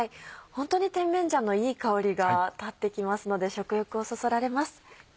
ホントに甜麺醤のいい香りが立ってきますので食欲をそそられます。